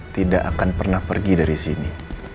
tidak akan pernah pergi dari sini